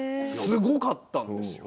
すごかったんですよ。